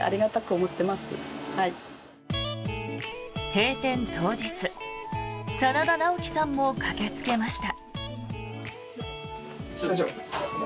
閉店当日、真田ナオキさんも駆けつけました。